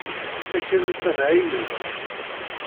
Tessakel ussan-a ay yezrin.